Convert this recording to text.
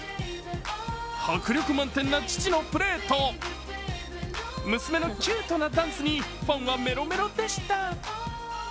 迫力満点な父のプレーと娘のキュートなダンスにファンはメロメロでした。